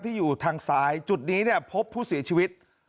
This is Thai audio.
อยู่ทางซ้ายจุดนี้เนี่ยพบผู้เสียชีวิต